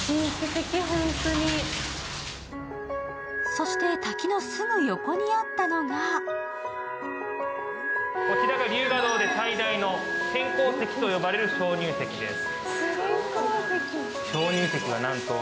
そして滝のすぐ横にあったのがこちらが龍河洞で最大の天降石と呼ばれる鍾乳石です。